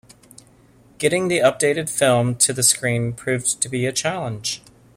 Getting the updated film to the screen proved to be a challenge.